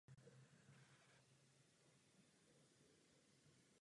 Ve vzdálenější minulosti sloužily k ubytování jako předchůdci hotelů zájezdní hostince.